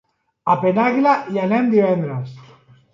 A Penàguila hi anem divendres.